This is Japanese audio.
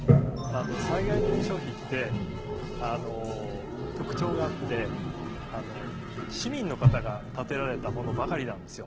災害伝承碑って特徴があって市民の方が建てられたものばかりなんですよ。